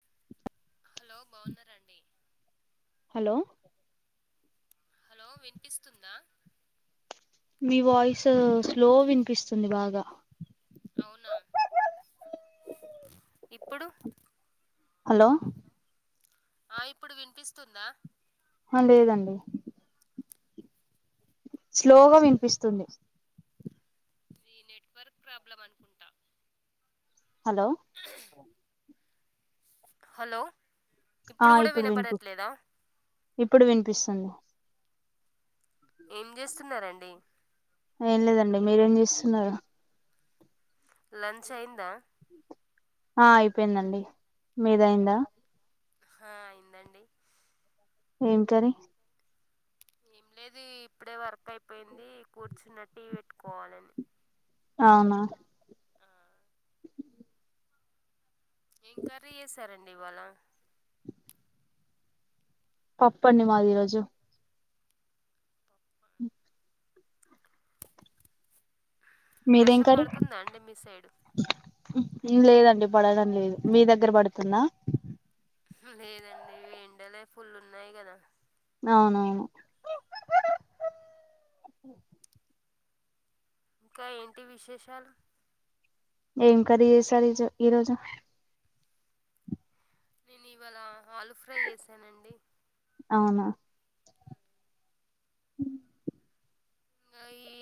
[inaudible] Hello బోన్నారండి hello hello వినిపిస్తుందా మీ వాయిస్ స్లో వినిపిస్తుంది బాగా అవునా ఇప్పుడు హలో ఆ ఇప్పుడు వినిపిస్తుందా ఆ లేదండి స్లోగా వినిపిస్తుంది ఇ నెట్వర్క్ ప్రాబ్లం అనుకుంటా హలో హలో ఆ ఇప్పుడు కూడా వినిపి వినపడట్లేదా ఇప్పుడు వినిపిస్తుంది ఏం చేస్తున్నారండి ఏం లేదండి మీరేం చేస్తున్నారు లంచ్ అయిందా ఆ అయిపోయిందండి మీది అయిందా ఆ అయిందండి ఏం కర్రీ ఏం లేదు ఇప్పుడే వర్క్ అయిపోయింది కూర్చున్న టీ పెట్టుకోవాలని అవునా ఆ, ఎంకర్రీ చేసారండి ఇవాళ పప్పడి మాది ఈరోజు మీదేం వర్షం కర్రీ పడుతుంద అండి మీ సైడ్ లేదండి పడడం లేదు మీ దగ్గర పడుతుంద లేదండి ఏండలే ఫుల్లు ఉన్నాయి కదా అవునవును ఇంకా ఏంటి విశేషాలు ఏం కర్రీ చేసారు ఈరోజు నేను ఇవాళ ఆలు ఫ్రై చేసానండి అవునా హ్ ఆ ఈ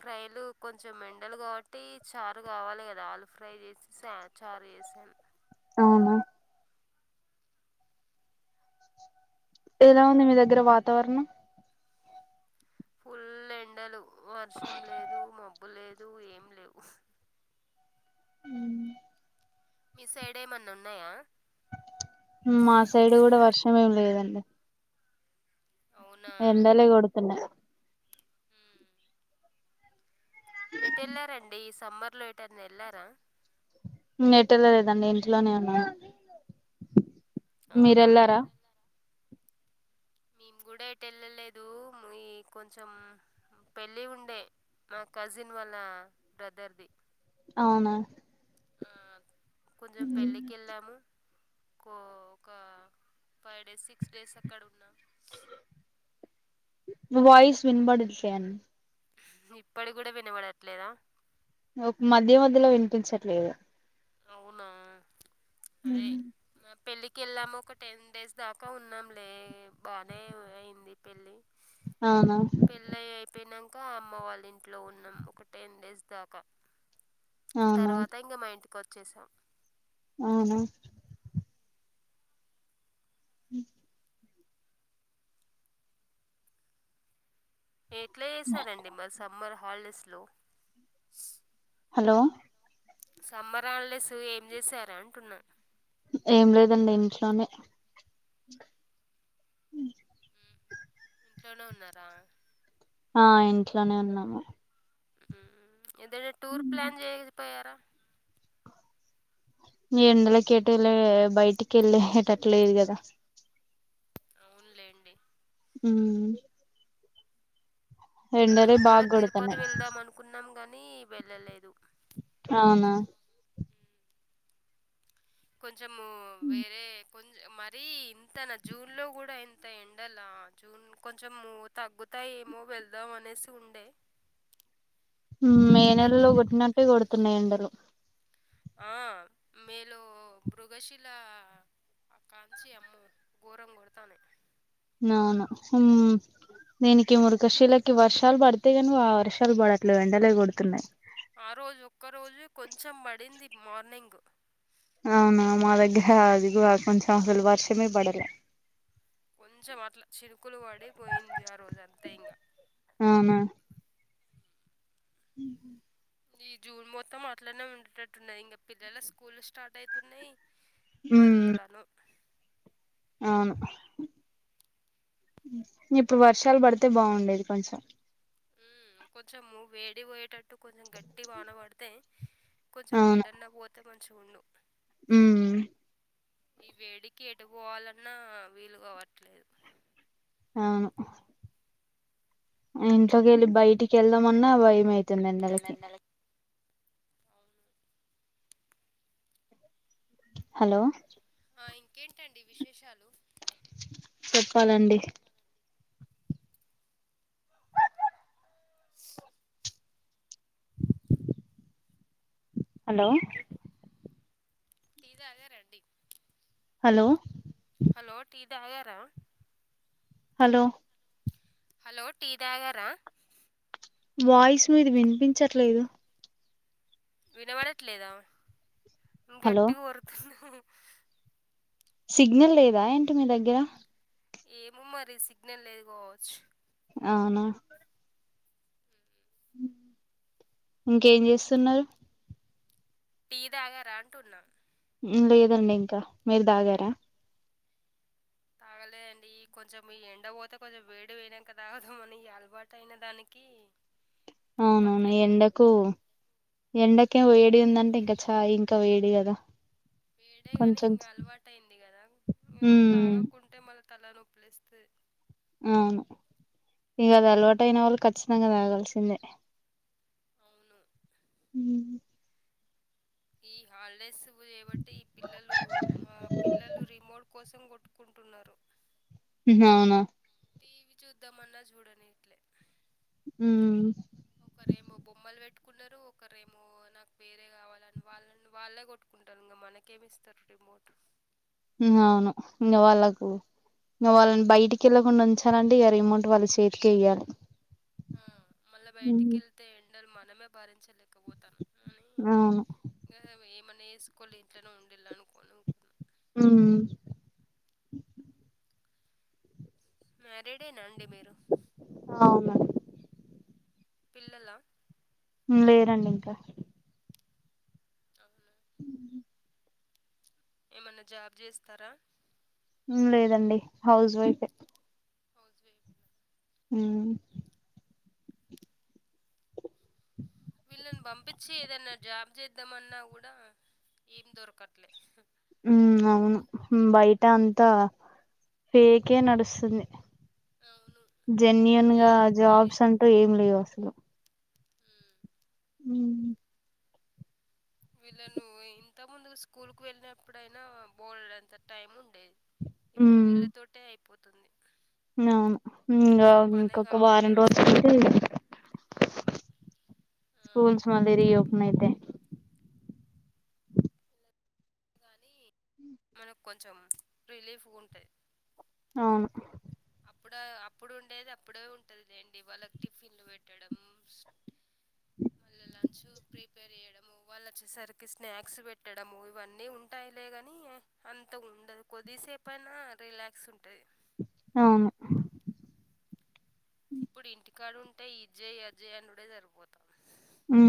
ఫ్రైలు కొంచెం ఏండలు కాబట్టి చారు కావాలి కదా ఆలు ఫ్రై చేసి చారు చేసాను అవునా ఎలా ఉంది మీ దగ్గర వాతావరణం ఫుల్ ఎండలు వర్షం లేదు మబ్బు లేదు ఏం లేవు మీ సైడ్ ఏమన్నా ఉన్నాయా మా సైడ్ కూడా వర్షం ఏమి లేదండి అవునా ఎండలే కొడుతున్నాయి ఎటళ్ళారండి ఈ సమ్మర్ లో ఏటనా వెళ్లారా ఎట్ ఎళ్ళలేదండి ఇంట్లోనే ఉన్నా మీర అవునా వెళ్లారా మేము కూడా ఏటేలాలేదు మీ కొంచెం పెళ్ళి ఉండే మా కజిన్ వాళ్ళ బ్రదర్ది అవునా కొంచెం పెళ్ళికి వెళ్ళాము ఒక ఒక ఫైవ్ డేస్ సిక్స్ డేస్ అక్కడ ఉన్నా వాయిస్ వినపడట్లేన్ ఇప్పడు కూడా వినబడట్లేదా ఒక మధ్య మధ్యలో వినిపించట్లేదు అవునా హు అదే మా పెళ్ళికి వెళ్ళాము ఒక టెన్ డేస్ దాకా ఉన్నాంలే బానే అయింది పెళ్ళి అవునా పెళ్ళయి అయిపోయినం అమ్మ వాళ్ళ ఇంట్లో ఉన్నాం ఒక టెన్ డేస్ దాకా అవునా తర్వాత ఇంకా మా ఇంటి కొచ్చేసాం ఆవునా హ ఎట్లా చేసారండి మరి సమ్మర్ హాలిడేస్ లో హలో సమ్మర్ హాలిడేస్ ఏం చేసార అంటున్నా ఏం లేదండి ఇంట్లోనే ఇంట్లోనే ఉన్నారా ఆ ఇంట్లోనే ఉన్నాము ఉ ఏదనా టూర్ ప్లాన్ చేయకపోయారా ఎందులా కేటలా బయటికి వెళ్ళ ఎటట్లే ది కదా అవునులేండి ఉ ఎండలే బాగొడుతన్నాయ్ ది వెళ్ళలేదు అవునా జమ్ము వేరే కొంచ మరీ ఇంతనా జూన్ లో కూడా ఇంత ఎండలా జూన్ కొంచెం మూ తగ్గు అంతా ఏమో వెళ్దాం అనేసి ఉండే మే కానీ నెలలో తగ్గలే కొట్టినట్టే కొడుతున్నాయి ఎండలు ఆ మేలు మృగశిల అక్కంచి అమ్మ ఘోరం కొడతానే నావును హుమ్ దేనికి మురుఖశీలకి వర్షాలు పడితే ను ఆ వర్షాలు పడట్లే ఎండలే కొడుతున్నాయి ఆ రోజు ఒక్క రోజు కొంచెం పడింది మార్నింగ్ అవునా మా దగ్గర అదిగ కొంచెం అసలు వర్షమే పడల కొంచెం అట్లా చినుకులు పడి పోయింది ఆ రోజు అంతే ఇంగా ఉ ఈ జూన్ మొత్తం అట్లనే ఉండేటట్టున్నది ఇంకా పిల్లలు స్కూల్లు స్టార్ట్ అయితున్నాయి ఉమ్ మరి ఎలాను అవును ఇప్పుడు వర్షాలు పడితే బాగుండేది కొంచెం ఉ కొంచెం వేడి పోయేటట్టు కొంచెం గట్టి వాన పడితే కొంచెం వేడన్నా పోతే మంచిగ ఉండు ఉమ్ ఈ వేడికి ఎటు పోవాలన్నా వీలు కావట్లేదు అవును ఇంట్లోకేళ్ళి బయటికి వెళ్దామన్నా భయమైతుంది ఎండలకి అవును హలో ఆ ఇంకేంటండి విశేషాలు చెప్పాలండి హలో టీ తాగారాండి హలో హలో టీ తాగారా హలో హలో టీ తాగారా వాయిస్ మీది వినిపించట్లేదు వినబడట్లేదా హలో గట్టిగా ఓరుతున్న సిగ్నల్ లేదా ఏంటి మీ దగ్గర ఏమో మరి సిగ్నల్ లేదు కావచ్చు అవునా ఇంకేం చేస్తున్నారు టీ తాగారా అంటున్నా లేదండి ఇంకా మీరు తాగారా తాగ లే అండి ఈ కొంచెం ఈ ఎండ పోతే కొంచెం వేడి పోయినంక తాగుదామని ఈ అలవాటైన దానికి అవునవును తప్పట్లే ఎండకు ఎండకే మ్మ్. వేడి ఉందంటే ఇంకా చాయ్ ఇంకా వేడి కదా వేడే గాని కొంచెం ఇంకా అలవాట అయింది కదా ఇగ ఉమ్ తాగకుంటే మళ్ళ తల నొప్పులేస్తాది అవును ఇంకా అది అలవాటు అయిన వాళ్ళు ఖచ్చితంగా తాగాల్సిందే అవును ఉమ్, ఈ హాలిడేస్ లేబట్టి ఈ పిల్లలు ఆ పిల్లలు రిమోట్ కోసం కొట్టు కుంటున్నారు అవునా టీవీ చూద్దామన్నా చూడనియట్లే ఉమ్ ఒకరేమో బొమ్మలు పె ట్టుకున్నారు ఒకరేమో నాకు వేరే కావాల వాళ్ళని వాళ్ళే కొట్టుకుంటారు ఇంకా మనకేమి ఇస్తారు రిమోట్ ఉమ్మ్ అవును ఇంగా వాళ్ళకు ఇంక వాళ్ళని బయటికి ఎళ్ళకుండా ఉంచాలంటే ఇగ రిమోట్ వాళ్ళ చేతికే ఇయ్యాలి ఆ మళ్ళా బయటికేళ్తే ఎండలు మనమే భరిం చ్చలేకపోతానం అని అవును ఇంగ ఏమం నేసుకోలే ఇంట్లనే ఉండేలే అనుకోని ఉకున్న ఉమ్మ్ మ్యారీడేనాండి అవును పిల్లల లేరండి ఇంకా అవునా ఏమన్నా జాబ్ చేస్తారా ఉమ్మ్ లేదండి హౌస్ వైఫే హౌస్ వైఫ్ ఉమ్ అ వీళ్ళని పంపించి ఏదైనా జాబ్ చేద్దామన్నా కూడా ఏం దొరకట్లే ఉ అవును బయట అంతా ఫేకే నడుస్తుంది అవును జన్యుూన్ ఈ గా జాబ్స్ వే- అంటూ ఏం లేవు అసలు ఉమ్. ఊ వీళ్ళ నువ్వు ఇంత ముందు స్కూల్ కు వెళ్ళినప్పుడయినా బోల్డ్ అంత టైం ఉండేది ఇప్పుడు ఉమ్ వీళ్ళతోటే అయిపోతుంది అవును ఇంకా అసలు పనే ఇంకొక వారం కావట్లేదు రోజులుంటే ఆ, స్కూల్స్ మళ్ళీ రీ ఓపెన్ అయితాయి అ కాని మనకు కొంచెం రిలీఫ్ గా ఉంటాంది అవును అప్పుడా అప్పుడు ఉండేది అప్పుడే ఉంటుందిండి వాళ్ళకి టిఫిన్లు పెట్టడము అ వాళ్ళ లంచ్ ప్రిపేర్ చేయడము వాళ్ళు వచ్చేసరికి స్నాక్స్ పెట్టడము ఇవన్నీ ఉంటాయిలే గాని అంత గుండదు కొద్దిసేపు అయినా రిలాక్స్ ఉంటది అవును ఇప్పుడు ఇంటికాడుంటే ఇది చేయి అది చెయ్ అనుడే సరిపోతుంది ఊ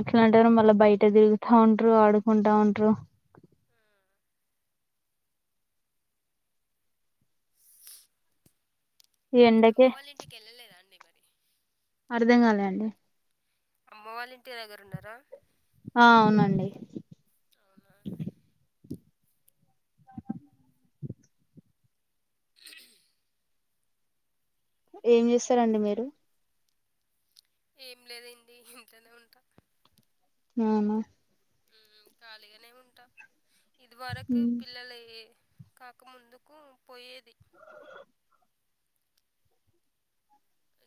అట్లాంటారు మళ్ళా బయట తిరుగుతా ఉంటారు ఆడుకుంటా ఉంటారు అమ్మ ఎండకే వాళ్ళ ఇంటికి వెళ్ళలేదా అండి మరి అర్థం కాలా అండి అమ్మ వాళ్ళ ఇంటి దగ్గర ఉండరా ఆ అవునండి అవునా ఏం చేస్తారండి మీరు ఏం లేదండి ఇంట్లోనే ఉంటా అవునా ఖాళీగానే ఉంటా ఇది వరకు పిల్లలు కాక ముందుకు పోయేది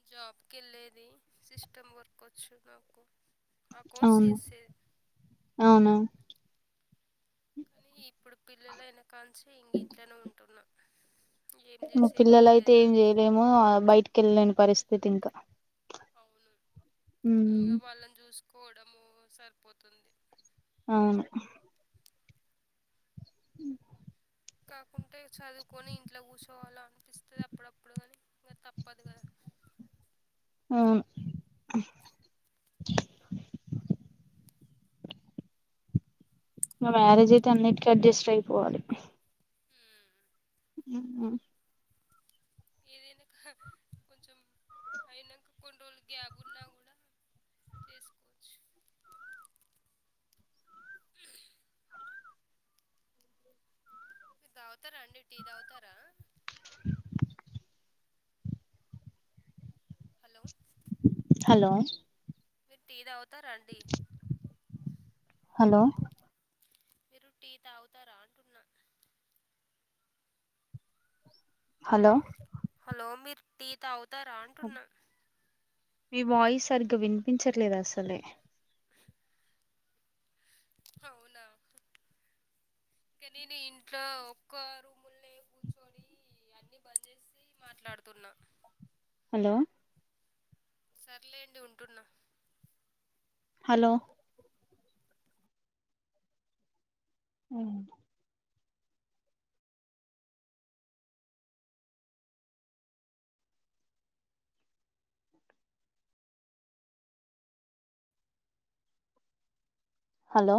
జాబ్కి వెళ్ళేది సిస్టమ్ వర్క్ వచ్చు నాకు అకౌంట్స్ అవును చేసేది అవును కానీ ఇప్పుడు పిల్లలైన కాంచి ఇంక ఇంట్లోనే ఉంటున్నా ఏం మా చేసేది లేదు పిల్లలయితే కదా ఏం చేయలేము బయటికి వెళ్ళలేని పరిస్థితి ఇంకా అవును ఊ కోడము సరిపోతుంది అవును ఉ కాకుంటే చదువుకొని ఇంట్లో కూర్చోవాలో అనిపిస్తుంది అప్పుడప్పుడు కానీ ఇంకా తప్పదు కదా అవును మ్యారేజ్ అయితే అన్నిటికీ అడ్జస్ట్ అయిపోవాలి ఉమ్, ఊహూ ఏదైనాక కొంచెం అయినాక కొన్ని రోజులు గ్యాబ్ ఉన్నా కూడా తెసుకోచ్చ. తాగుతారా అండి టీ తాగుతారా. [inaudible] Hello hello. టీ తాగుతా రండి. హలో. మీరు టీ తాగుతారా అంటున్న. హలో. హలో, మీరు టీ తాగుతారా అంటున్న. మీ వాయిస్ సరిగ్గా వినిపించట్లేదు అసలే. అవునా. ఇంకా నేను ఇంట్లో ఒక్క రూముల్లె కూర్చో. అన్ని బంద్ చేసి మాట్లాడుతున్న. హలో సర్లే అండి ఉంటున్నా. హలో హ్మ్ హలో